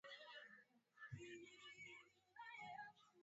alioko nchini tanzania kuhusu hali hiyo ilivyo